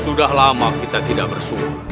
sudah lama kita tidak bersyukur